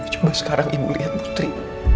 coba sekarang ibu liat putri